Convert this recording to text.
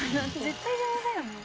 絶対邪魔だよね。